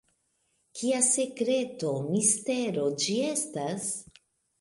Kia sekreto, mistero ĝi estas?